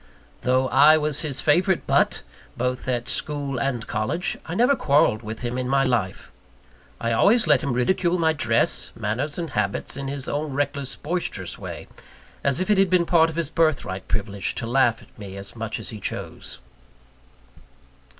Though I was his favourite butt, both at school and college, I never quarrelled with him in my life. I always let him ridicule my dress, manners, and habits in his own reckless, boisterous way, as if it had been a part of his birthright privilege to laugh at me as much as he chose.